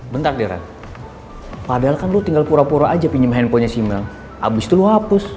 bentar diran padahal kan lo tinggal pura pura aja pinjem handphonenya si mel abis itu lo hapus